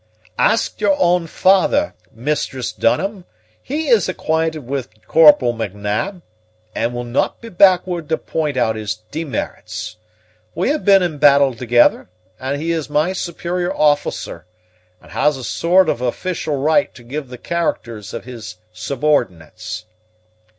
"Ask yer own father, Mistress Dunham; he is acquaint' with Corporal M'Nab, and will no' be backward to point out his demerits. We have been in battle thegither, and he is my superior officer, and has a sort o' official right to give the characters of his subordinates."